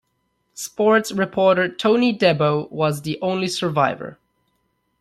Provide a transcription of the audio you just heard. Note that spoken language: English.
Sports reporter Tony Debo was the only survivor.